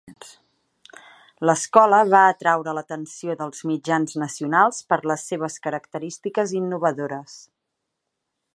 L'escola va atraure l'atenció dels mitjans nacionals per les seves característiques innovadores.